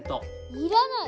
要らない！